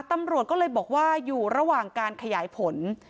ตำรวจก็เลยบอกว่าอยู่ระหว่างการขยายผล